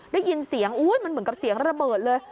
ได้ยินเสียงมันเหมือนกับเสียงระเบิดเลย